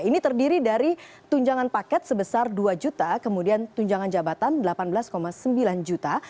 ini terdiri dari tunjangan paket sebesar dua juta kemudian tunjangan jabatan delapan belas sembilan juta